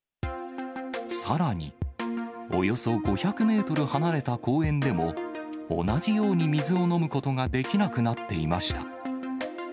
さらに、およそ５００メートル離れた公園でも、同じように水を飲むことができなくなっていました。